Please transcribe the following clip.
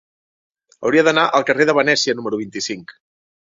Hauria d'anar al carrer de Venècia número vint-i-cinc.